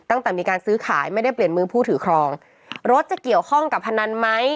ตั้งแต่มีการซื้อขายไม่ได้เปลี่ยนมือผู้ถือครองรถจะเกี่ยวข้องกับพนันไหม